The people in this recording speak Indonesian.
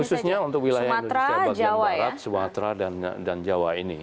khususnya untuk wilayah indonesia bagian barat sumatera dan jawa ini